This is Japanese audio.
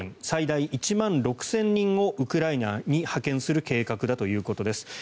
最大１万６０００人をウクライナに派遣する計画だということです。